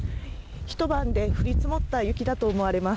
ひと晩で降り積もった雪だと思われます。